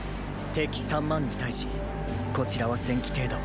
敵三万に対しこちらは千騎程度。